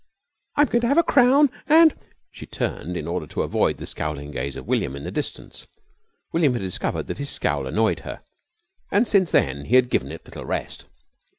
I'm going to have a crown and " She turned round in order to avoid the scowling gaze of William in the distance. William had discovered that his scowl annoyed her, and since then had given it little rest.